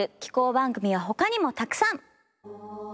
番組はほかにもたくさん！